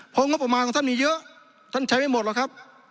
เพราะงบประมาณของท่านมีเยอะท่านใช้ไม่หมดหรอกครับ